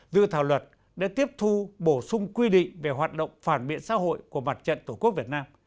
dự thảo luật đã tiếp thu bổ sung quy định về hoạt động phản biện xã hội của mặt trận tổ quốc việt nam